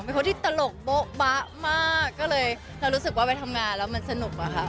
เป็นคนที่ตลกโบ๊ะบะมากก็เลยเรารู้สึกว่าไปทำงานแล้วมันสนุกอะค่ะ